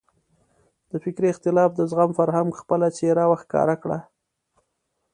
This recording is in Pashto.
د فکري اختلاف د زغم فرهنګ خپله څېره وښکاره کړه.